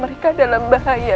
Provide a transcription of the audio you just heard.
mereka dalam bahaya